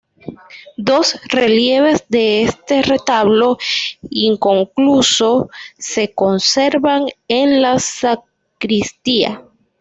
Dos relieves de este retablo inconcluso se conservan en la sacristía.